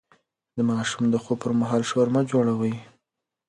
د ماشوم د خوب پر مهال شور مه جوړوئ.